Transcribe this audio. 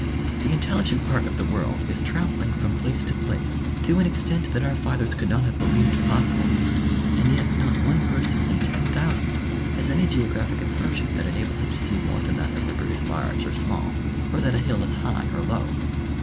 The intelligent part of the world is travelling from place to place to an extent that our fathers could not have be lieved ]Dossible, and yet not one person in ten thousand has any geographic instruction that enables him to see more than that a river is large or small, or that a hill is high or low.